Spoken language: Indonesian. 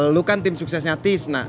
lu kan tim suksesnya tis